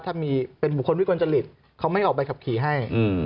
ถ้ามีเป็นบุคคลวิกลจริตเขาไม่ออกใบขับขี่ให้